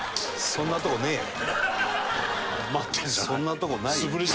そんなとこないよ。